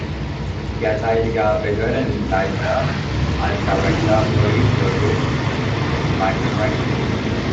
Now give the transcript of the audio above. Derzeitiger Behördenleiter, als "Director, Police Service", ist Michael Franklin.